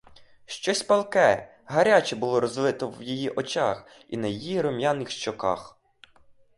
Щось палке, гаряче було розлите в її очах і на її рум'яних щоках.